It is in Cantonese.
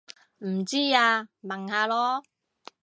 唔知啊問下囉